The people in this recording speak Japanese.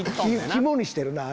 肝にしてるなあ